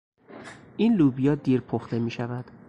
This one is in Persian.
این لوبیا دیر پخته میشود.